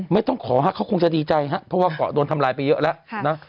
ไม่ต้องขอฮะเขาคงจะดีใจฮะเพราะว่าเกาะโดนทำลายไปเยอะแล้วนะ